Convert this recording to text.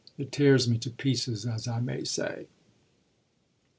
It tears me to pieces as I may say."